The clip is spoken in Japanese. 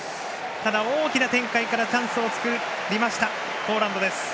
ただ大きな展開からチャンスを作りましたポーランド。